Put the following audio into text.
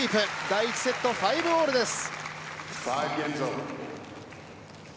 第１セット、５ー５です。